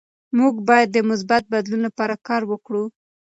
موږ باید د مثبت بدلون لپاره کار وکړو.